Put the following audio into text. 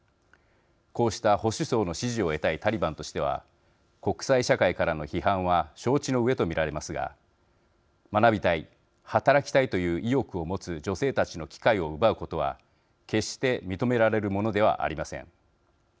こうした保守層の支持を得たいタリバンとしては国際社会からの批判は承知の上と見られますが学びたい働きたいという意欲を持つ女性たちの機会を奪うことは決して認められるものではありません。